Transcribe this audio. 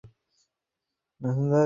নইলে, আত্মহত্যা ছাড়া গতি নেই।